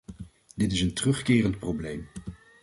Dit is een terugkerend probleem.